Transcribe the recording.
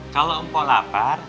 kalau mpok lapar